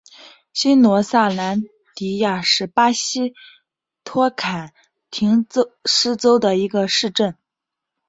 新罗萨兰迪亚是巴西托坎廷斯州的一个市镇。